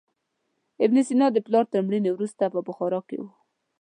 ابن سینا د پلار تر مړینې وروسته په بخارا کې و.